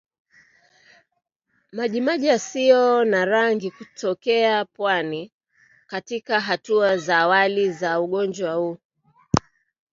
Majimaji yasiyo na rangi kutokea puani katika hatua za awali za ugonjwa huu